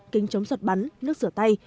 kính chống sọt bắn nước sửa tay